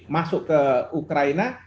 masuk ke ukraina